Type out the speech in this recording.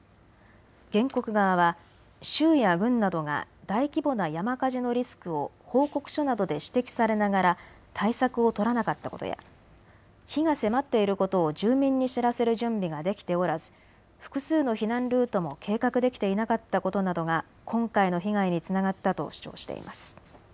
原告側は州や郡などが大規模な山火事のリスクを報告書などで指摘されながら対策を取らなかったことや火が迫っていることを住民に知らせる準備ができておらず、複数の避難ルートも計画できていなかったことなどが今回の被害につながったと主張しています。